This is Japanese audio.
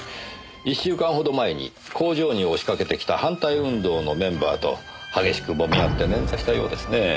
１週間ほど前に工場に押しかけてきた反対運動のメンバーと激しく揉み合って捻挫したようですねえ。